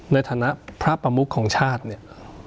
ในฐานะพระประมุขของชาติเนี่ย